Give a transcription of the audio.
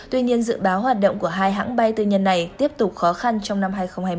tuy nhiên dự báo hoạt động của hai hãng bay tư nhân này tiếp tục khó khăn trong năm hai nghìn hai mươi